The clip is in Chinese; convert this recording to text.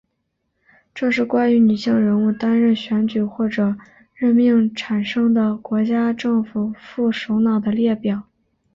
这是关于女性人物担任选举或者任命产生的国家政府副首脑的列表。